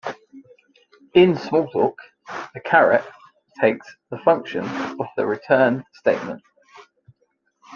In Smalltalk, the caret takes the function of the return statement.